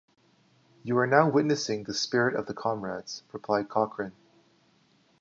"You are now witnessing the spirit of the Comrades," replied Cochrane.